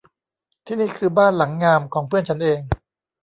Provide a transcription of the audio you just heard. ที่นี่คือบ้านหลังงามของเพื่อนฉันเอง